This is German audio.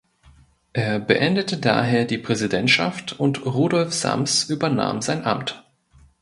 Er beendete daher die Präsidentschaft und Rudolf Sams übernahm sein Amt.